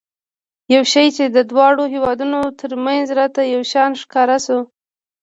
یو شی چې د دواړو هېوادونو ترمنځ راته یو شان ښکاره شو.